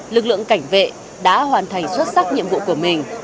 lực lượng cảnh vệ đã hoàn thành xuất sắc nhiệm vụ của mình